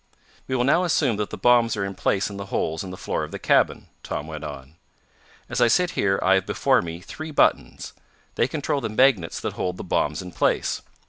"We will now assume that the bombs are in place in the holes in the floor of the cabin," Tom went on. "As I sit here I have before me three buttons. They control the magnets that hold the bombs in place.